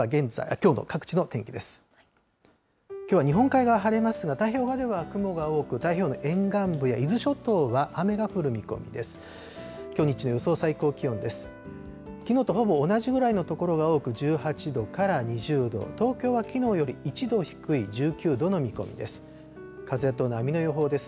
きのうとほぼ同じくらいの所が多く、１８度から２０度、東京はきのうより１度低い１９度の見込みです。